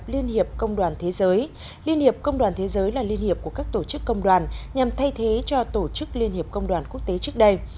liên hiệp công đoàn thế giới là liên hiệp của các tổ chức công đoàn nhằm thay thế cho tổ chức liên hiệp công đoàn quốc tế trước đây